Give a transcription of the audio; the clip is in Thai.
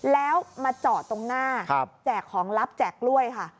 แล้วมาจอดตรงหน้าแจกของลับแจกกล้วยค่ะ